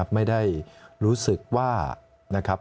ไม่ได้รู้สึกว่า